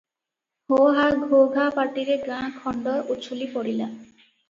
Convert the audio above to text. ହୋହା- ଘୋଘା ପାଟିରେ ଗାଁ ଖଣ୍ଡ ଉଛୁଳି ପଡ଼ିଲା ।